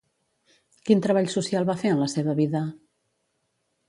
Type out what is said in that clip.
Quin treball social va fer en la seva vida?